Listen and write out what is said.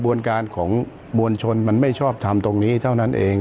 วนการของมวลชนมันไม่ชอบทำตรงนี้เท่านั้นเอง